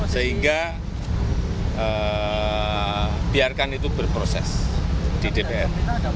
sehingga biarkan itu berproses di dpr